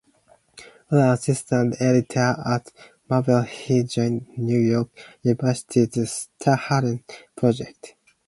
While an assistant editor at Marvel he joined New York University's "Stan-hattan Project".